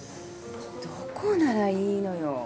どこならいいのよ？